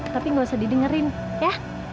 tapi nggak usah didengerin ya